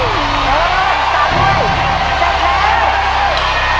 ๓ถ้วย